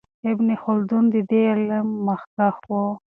ابن خلدون د دې علم مخکښ و.